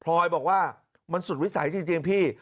พลอยบอกว่ามันสุดวิสัยจริงพี่